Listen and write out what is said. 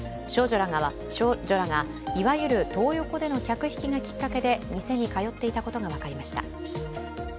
少女らが、いわゆるトー横での客引きがきっかけで店に通っていたことが分かりました。